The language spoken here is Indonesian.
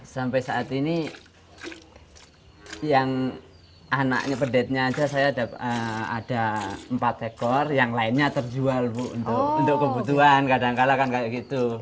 sampai saat ini yang anaknya pedetnya aja saya ada empat ekor yang lainnya terjual bu untuk kebutuhan kadang kadang kan kayak gitu